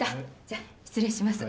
じゃあ失礼します。